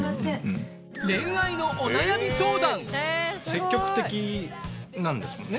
積極的なんですもんね